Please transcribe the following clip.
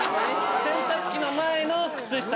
洗濯機の前の靴下。